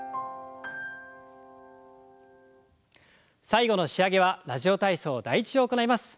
最後の仕上げは「ラジオ体操第１」を行います。